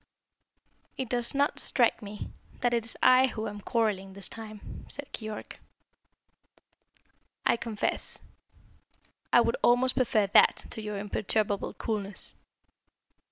"It does not strike me that it is I who am quarrelling this time," said Keyork. "I confess, I would almost prefer that to your imperturbable coolness.